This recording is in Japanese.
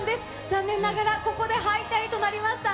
残念ながらここで敗退となりました。